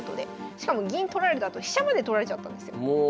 しかも銀取られたあと飛車まで取られちゃったんですよ。